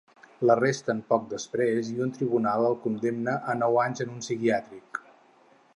L'arresten poc després i un tribunal el condemna a nou anys en un psiquiàtric.